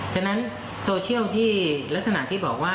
ฉะนั้นโซเชียลที่ลักษณะที่บอกว่า